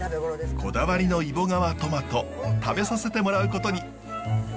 こだわりの揖保川トマト食べさせてもらうことに。